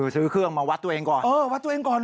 ซื้อเครื่องมาวัดตัวเองก่อน